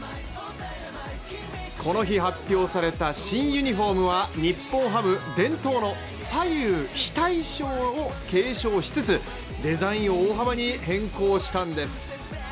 この日発表された新ユニフォームは、日本ハム伝統の左右非対称を継承しつつ、デザインを大幅に変更したんです。